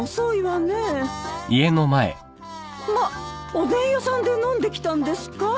おでん屋さんで飲んできたんですか！？